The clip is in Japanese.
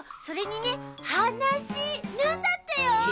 それにねはなしなんだってよ。